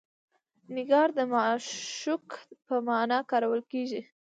نګار د معشوق په معنی کارول کیږي.